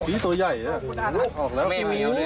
ปีโสใหญ่แต่หัวกออกแล้ว